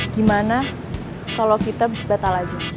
gimana kalau kita batal aja